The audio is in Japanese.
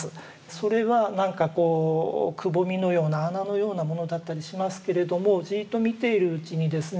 それはなんかこうくぼみのような穴のようなものだったりしますけれどもじっと見ているうちにですね